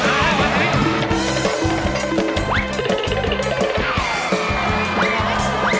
ไอ้่ลงไปลงไป